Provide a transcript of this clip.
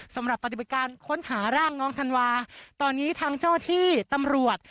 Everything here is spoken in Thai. สำหรับปฏิบัติการค้นหาร่างน้องธันวาตอนนี้ทางเจ้าที่ตำรวจ